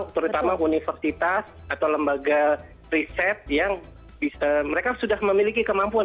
terutama universitas atau lembaga riset yang mereka sudah memiliki kemampuan